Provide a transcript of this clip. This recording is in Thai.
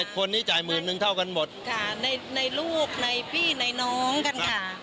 คนนี้จ่ายหมื่นนึงเท่ากันหมดค่ะในลูกในพี่ในน้องกันค่ะ